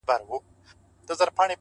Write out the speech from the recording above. • فقط شکل مو بدل دی د دامونو,